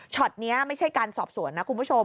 นี้ไม่ใช่การสอบสวนนะคุณผู้ชม